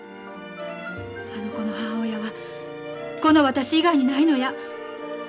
あの子の母親はこの私以外にないのや。